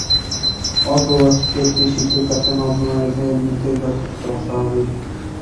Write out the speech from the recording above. অল্পবয়স্ক একটি শিশুর কাছে নগ্ন নারীদেহ এমনিতেই যথেষ্ট অস্বাভাবিক।